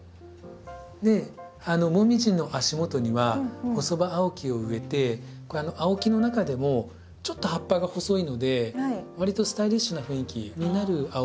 でモミジの足元にはホソバアオキを植えてアオキの中でもちょっと葉っぱが細いのでわりとスタイリッシュな雰囲気になるアオキですね。